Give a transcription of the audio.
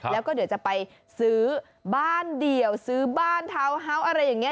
แล้วก็เดี๋ยวจะไปซื้อบ้านเดี่ยวซื้อบ้านทาวน์เฮาส์อะไรอย่างนี้